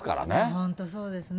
本当、そうですね。